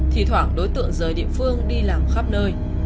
thì thoảng đối tượng rời địa phương đi làm khắp nơi